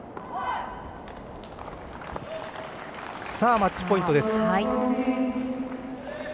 マッチポイントです。